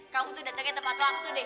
kita pake tempat waktu deh